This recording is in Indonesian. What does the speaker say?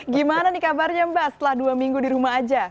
gimana nih kabarnya mbak setelah dua minggu di rumah aja